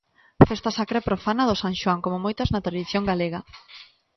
Festa sacra e profana do San Xoán, como moitas na tradición galega.